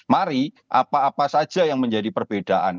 mari apa apa saja yang menjadi perbedaan